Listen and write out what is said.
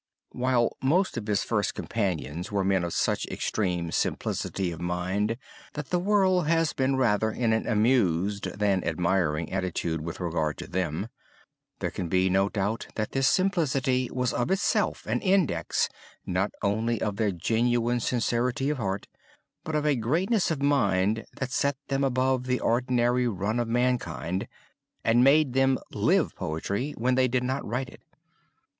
While most of his first companions were men of such extreme simplicity of mind that the world has been rather in an amused than admiring attitude with regard to them, there can be no doubt that this simplicity was of itself an index not only of their genuine sincerity of heart, but of a greatness of mind that set them above the ordinary run of mankind and made them live poetry when they did not write it.